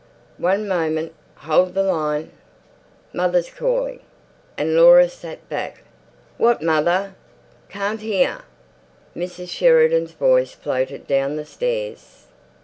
One moment—hold the line. Mother's calling." And Laura sat back. "What, mother? Can't hear." Mrs. Sheridan's voice floated down the stairs.